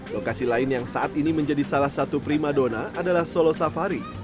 lokasi lain yang saat ini menjadi salah satu prima dona adalah solo safari